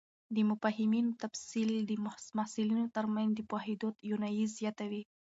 د مفاهیمو تفصیل د محصلینو تر منځ د پوهېدو توانایي زیاتوي.